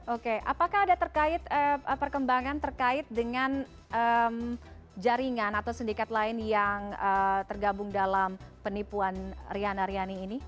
oke apakah ada terkait perkembangan terkait dengan jaringan atau sindikat lain yang tergabung dalam penipuan riana riani ini